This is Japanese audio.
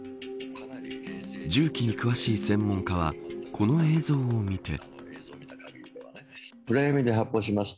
銃器に詳しい専門家はこの映像を見て。